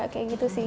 kayak gitu sih